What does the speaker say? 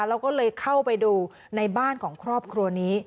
แล้วก็เลยเข้าไปดูในบ้านของครอบครัวนี้